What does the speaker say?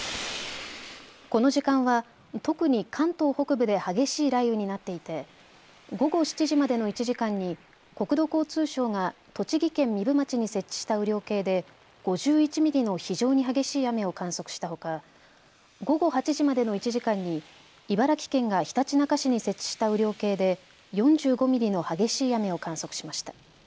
この時間は特に関東北部で激しい雷雨になっていて午後７時までの１時間に国土交通省が栃木県壬生町に設置した雨量計で５１ミリの非常に激しい雨を観測したほか午後８時までの１時間に茨城県がひたちなか市に設置した雨量計で４５ミリの激しい雨を観測しました。